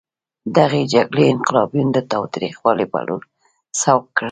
دغې جګړې انقلابیون د تاوتریخوالي په لور سوق کړل.